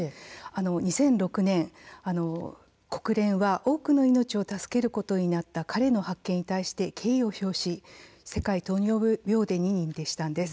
２００６年、国連は多くの命を助けることになった彼の発見に対して敬意を表して世界糖尿病デーに認定したんです。